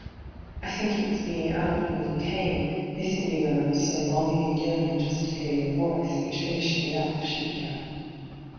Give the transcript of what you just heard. ' I think it was heing out when you came, missing you when I was so longing and yearn ing just to hear your voice, which finished me up,' she began.